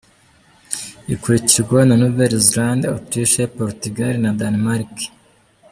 Ikurikirwa na Nouvelle-Zélande, Autriche, Portugal na Danemark.